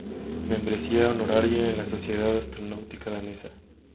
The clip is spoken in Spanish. Membresía honoraria en la Sociedad Astronáutica Danesa